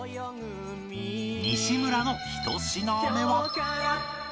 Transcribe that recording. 西村の１品目は